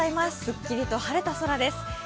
すっきりと晴れた空です。